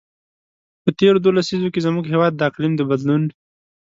په تېرو دوو لسیزو کې، زموږ هېواد د اقلیم د بدلون.